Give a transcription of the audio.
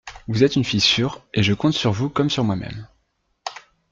Vous êtes une fille sûre et je compte sur vous comme sur moi-même…